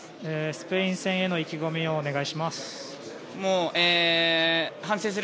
スペイン戦に向けての意気込みをお願いします。